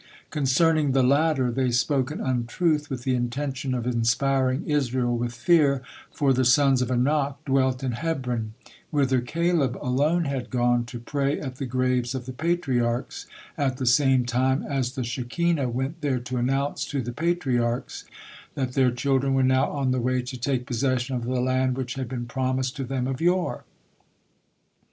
Concerning the latter they spoke an untruth with the intention of inspiring Israel with fear, for the sons of Anak dwelt in Hebron, whither Caleb alone had gone to pray at the graves of the Patriarchs, at the same time as the Shekinah went there to announce to the Patriarch that their children were now on the way to take possession of the land which had been promised to them of yore.